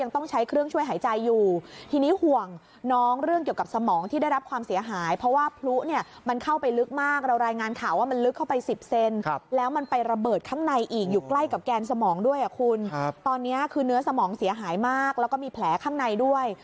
ตอนนี้คือเนื้อสมองเสียหายมากแล้วก็มีแผลข้างในด้วย